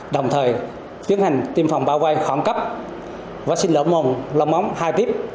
đồng thời tiến hành tiêm phòng bao quay khoảng cấp vắc xin lỡ mồm long móng hai tiếp